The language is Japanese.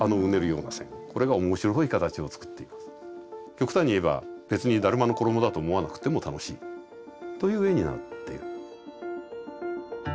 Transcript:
極端に言えば別に達磨の衣だと思わなくても楽しいという絵になるっていう。